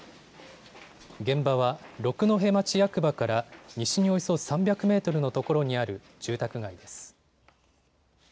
現場は六戸町役場から西におよそ３００メートルのところにある住宅街です。